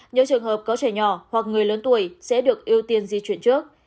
những trường hợp có trẻ nhỏ hoặc người lớn tuổi sẽ được ưu tiên di chuyển trước